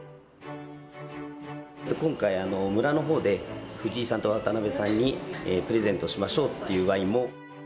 今回、村のほうで藤井さんと渡辺さんにプレゼントしましょうというワインも。